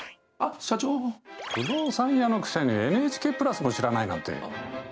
不動産屋のくせにＮＨＫプラスも知らないなんて。